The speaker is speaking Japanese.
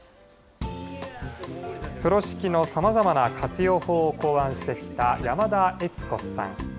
風呂敷のさまざまな活用法を考案してきた山田悦子さん。